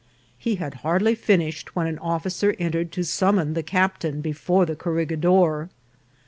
He had hardly finished when an officer entered to summon the captain before the corregidor.